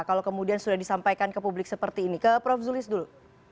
kalau kemudian sudah disampaikan ke publik seperti ini ke prof zulis dulu